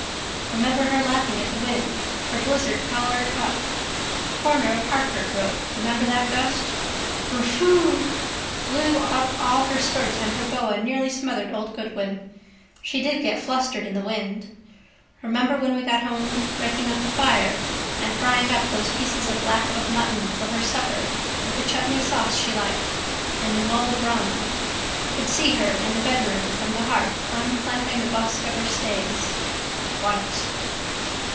Remember her laughing at the wind, her blizzard collar up. Corner of Harcourt road remember that gust. Brrfoo! Blew up all her skirts and her boa nearly smothered old Goodwin. She did get flushed in the wind. Remember when we got home raking up the fire and frying up those pieces of lap of mutton for her supper with the Chutney sauce she liked. And the mulled rum. Could see her in the bedroom from the hearth unclamping the busk of her stays: white.